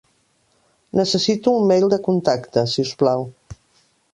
Necessito un mail de contacte, si us plau.